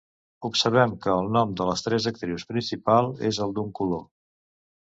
Observem que el nom de les tres actrius principals és el d'un color.